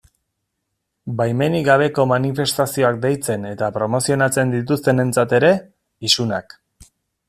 Baimenik gabeko manifestazioak deitzen eta promozionatzen dituztenentzat ere, isunak.